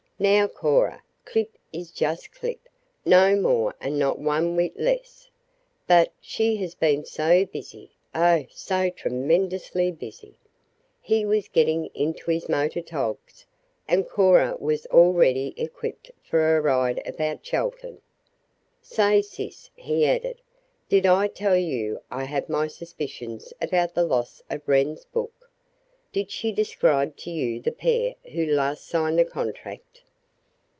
"Now, Cora, Clip is just Clip, no more and not one whit less, but she has been so busy oh, so tremendously busy!" He was getting into his motor togs, and Cora was already equipped for her ride about Chelton. "Say, sis," he added, "did I tell you I have my suspicions about the loss of Wren's book? Did she describe to you the pair who last signed the contract?"